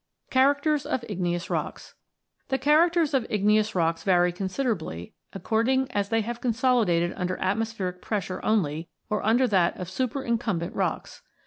CHARACTERS OF IGNEOUS ROCKS The characters of igneous rocks vary considerably according as they have consolidated under atmos pheric pressure only, or under that of superincumbent rocks.